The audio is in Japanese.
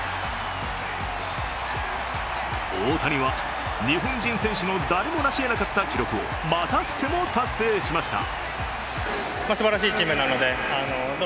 大谷は日本人選手の誰もなしえなかった記録をまたしても達成しました。